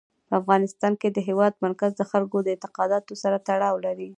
په افغانستان کې د هېواد مرکز د خلکو د اعتقاداتو سره تړاو لري.